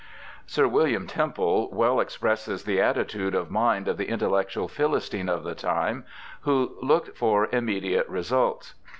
Sir William Temple well expresses the attitude of mind of the intellectual Philistine of the time, who looked for immediate results.